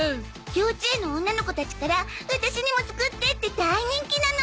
幼稚園の女の子たちからワタシにも作ってって大人気なの